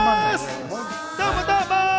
どうもどうも！